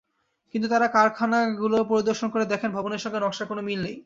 কিন্তু তাঁরা কারখানাগুলো পরিদর্শন করে দেখেন ভবনের সঙ্গে নকশার কোনো মিল নেই।